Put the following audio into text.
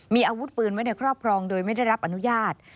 มีอาวุธปืนไว้ในครอบครองโดยไม่ได้รับอนุญาต